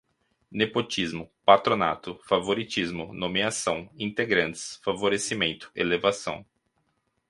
nepotismo, patronato, favoritismo, nomeação, integrantes, favorecimento, elevação